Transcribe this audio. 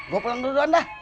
gue pulang duluan dah